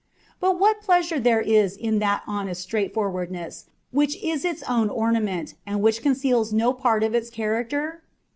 But what pleasure there is in that honest straight forwardness which is its own ornament, and which conceals no part of its character?